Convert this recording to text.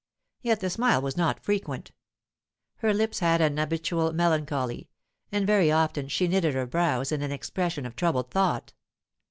Yet the smile was not frequent; her lips had an habitual melancholy, and very often she knitted her brows in an expression of troubled thought.